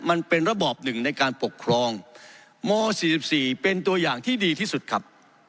มันเป็นระบอบหนึ่งในการปกครองม๔๔เป็นตัวอย่างที่ดีที่สุดครับ